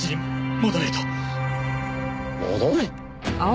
戻れ？